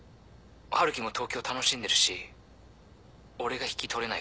春樹も東京楽しんでるし俺が引き取れないかな？